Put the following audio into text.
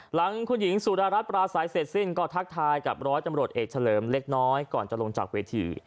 หลังคุณหญิงสุดารัฐปราศัยเสร็จสิ้นก็ทักทายกับร้อยตำรวจเอกเฉลิมเล็กน้อยก่อนจะลงจากเวที